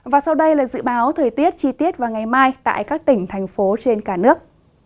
và sau đây là dự báo thời tiết chi tiết vào ngày mai tại các tỉnh thành phố trên cả nước